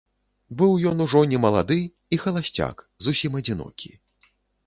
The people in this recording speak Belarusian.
Быў ён ужо не малады, і халасцяк, зусім адзінокі.